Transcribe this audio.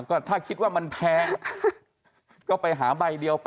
ก็ถ้าคิดว่ามันแพงก็ไปหาใบเดียวไป